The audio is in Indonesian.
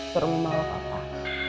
ke rumah bapak